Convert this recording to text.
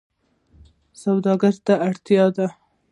سوداګرۍ ته اړتیا ده